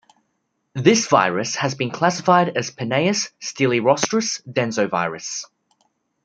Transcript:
This virus has been classified as Penaeus stylirostris densovirus.